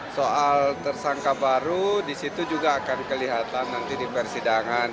soal tersangka baru disitu juga akan kelihatan nanti di persidangan